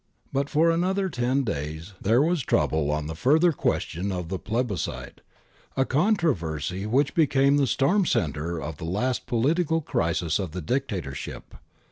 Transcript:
But for another ten days there was trouble on the further question of the plebiscite, a con troversy which became the storm centre of the last politi cal crisis of the Dictatorship.